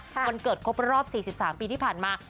ค่ะกวันเกิดครบแรอรอบสี่สิบสามปีที่ผ่านมา